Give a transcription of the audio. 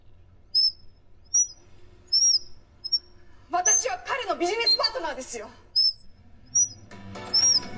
私は彼のビジネスパートナーですよ。